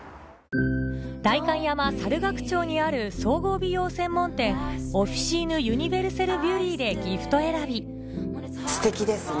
代官山・猿楽町にある総合美容専門店「オフィシーヌ・ユニヴェルセル・ビュリー」でギフト選びステキですね